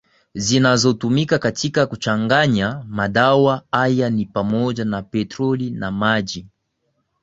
zinazotumika katika kuchanganya madawa haya ni pamoja na petroli na maji